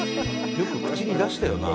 よく口に出したよな。